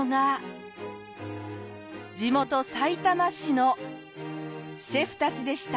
地元さいたま市のシェフたちでした。